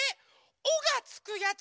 「お」がつくやつ！